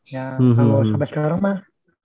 ya kalo sampe sekarang mah